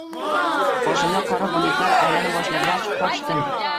Boshimda qora bulutlar aylana boshlagach, qochdim.